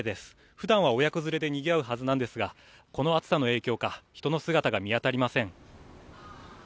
ふだんは親子連れでにぎわうはずなんですがこの暑さの影響か人の姿が見当たりません。